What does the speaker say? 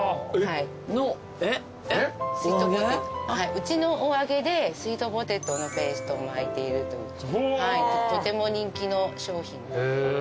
うちのお揚げでスイートポテトのペーストを巻いているというとても人気の商品です。